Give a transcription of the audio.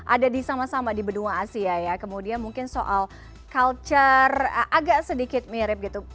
ada di sama sama di benua asia ya kemudian mungkin soal culture agak sedikit mirip gitu